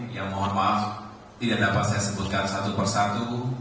yang mohon maaf tidak dapat saya sebutkan satu persatu